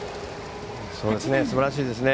すばらしいですね。